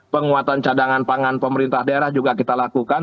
penguatan cadangan pangan pemerintah daerah juga kita lakukan